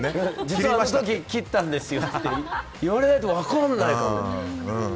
実はあの時切ったんですよって言われないと分かんないかも。